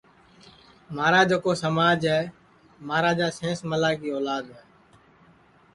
مہارا جکو سماج ہے مہاراجا سینس ملا کی اولاد ہے